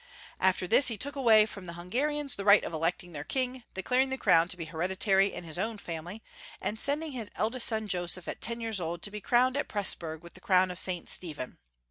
After this, he took away from the Hun garians the right of electing their king, declaring the crown to be hereditary in his own family, and sending his eldest son, Joseph, at ten years old, to be crowned at Presburg with the crown of St. Stephen.